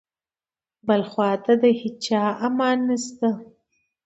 بل خواته د هیچا امان نشته.